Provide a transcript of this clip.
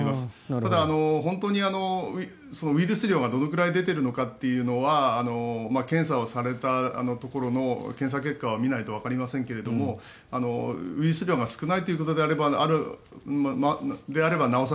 ただ、本当にウイルス量がどのくらい出ているのかというのは検査をされたところの検査結果を見ないとわかりませんがウイルス量が少ないということであればなお更